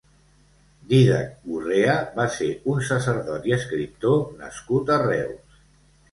Dídac Gurrea va ser un sacerdot i escriptor nascut a Reus.